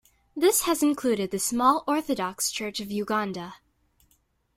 This has included the small Orthodox Church of Uganda.